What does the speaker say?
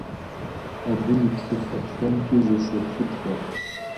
Абы и плъыфэ псомкӀи зэщӀопщӀыпщӀэ.